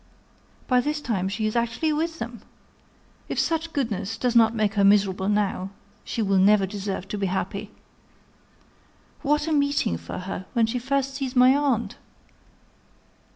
By this time she is actually with them! If such goodness does not make her miserable now, she will never deserve to be happy! What a meeting for her, when she first sees my aunt!"